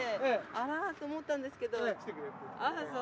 あと思ったんですけど。